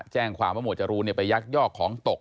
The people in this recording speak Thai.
แจ้งความว่าหมวดจรูนไปยักยอกของตก